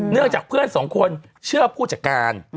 เนื่องจากเพื่อนสองคนเชื่อผู้จักรก่อน